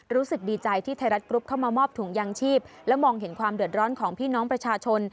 รู้สึกดีใจที่ไทยรัฐกรุ๊ปเข้ามามอบถุงยางชีพและมองเห็นความเดือดร้อนของพี่น้องประชาชน